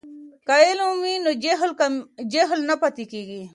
که علم وي نو جهل نه پاتې کیږي.